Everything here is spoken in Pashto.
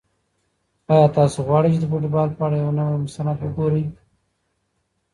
آیا تاسو غواړئ چې د فوټبال په اړه یو نوی مستند وګورئ؟